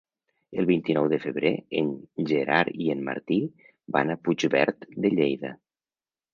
El vint-i-nou de febrer en Gerard i en Martí van a Puigverd de Lleida.